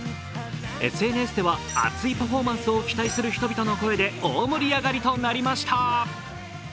ＳＮＳでは熱いパフォーマンスを期待する人々の声で大盛り上がりとなりました。